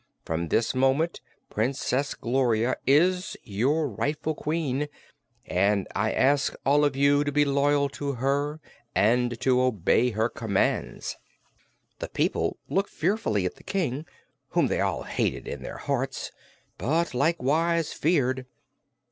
From this moment Princess Gloria is your rightful Queen, and I ask all of you to be loyal to her and to obey her commands." The people looked fearfully at the King, whom they all hated in their hearts, but likewise feared.